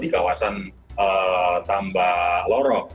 di kawasan tambah lorok